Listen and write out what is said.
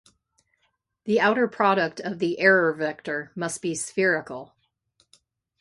The outer product of the error vector must be spherical.